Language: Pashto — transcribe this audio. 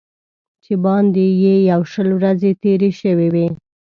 چې باندې یې یو شل ورځې تېرې شوې وې.